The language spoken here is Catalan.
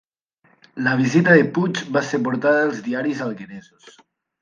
La visita de Puig va ser portada als diaris algueresos